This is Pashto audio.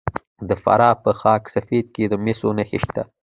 د فراه په خاک سفید کې د مسو نښې شته.